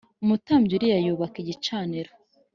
Umutambyi Uriya yubaka igicaniro